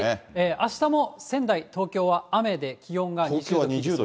あしたも仙台、東京は雨で気温が２０度。